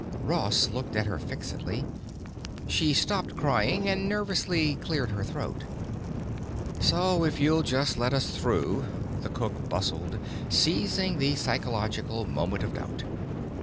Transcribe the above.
Ross looked at her fixedly. She stopped crying and nervously cleared her throat. "So if you'll just let us through," the cook bustled, seizing the psychological moment of doubt.